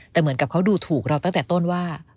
แต่เหมือนกับเขาดูถูกเราตั้งแต่ต้นว่า